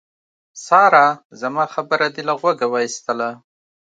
سارا! زما خبره دې له غوږه واېستله.